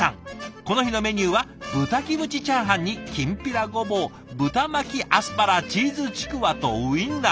この日のメニューは豚キムチチャーハンにきんぴらゴボウ豚巻きアスパラチーズちくわとウインナー。